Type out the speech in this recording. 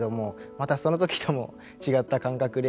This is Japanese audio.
またその時とも違った感覚で。